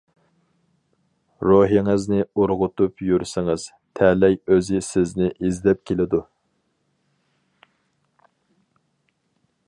روھىڭىزنى ئۇرغۇتۇپ يۈرسىڭىز، تەلەي ئۆزى سىزنى ئىزدەپ كېلىدۇ.